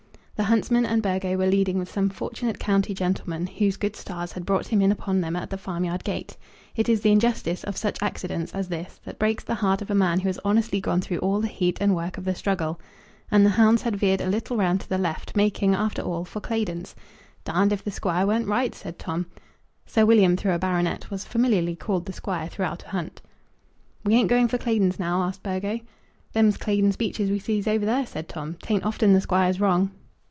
The huntsman and Burgo were leading with some fortunate county gentleman whose good stars had brought him in upon them at the farmyard gate. It is the injustice of such accidents as this that breaks the heart of a man who has honestly gone through all the heat and work of the struggle! And the hounds had veered a little round to the left, making, after all, for Claydon's. "Darned if the Squire warn't right," said Tom. Sir William, though a baronet, was familiarly called the Squire throughout the hunt. "We ain't going for Claydon's now?" asked Burgo. "Them's Claydon's beeches we sees over there," said Tom. "'Tain't often the Squire's wrong."